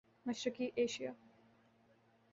مشرقی ایشیا